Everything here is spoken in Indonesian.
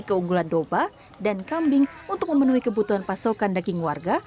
keunggulan doba dan kambing untuk memenuhi kebutuhan pasokan daging warga